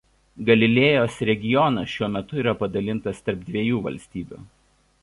Galilėjos regionas šiuo metu yra padalintas tarp dviejų valstybių.